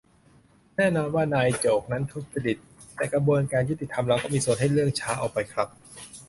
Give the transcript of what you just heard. แน่นอนว่าทนายโจทก์นั้นทุจริต แต่กระบวนการยุติธรรมเราก็มีส่วนให้เรื่องช้าออกไปครับ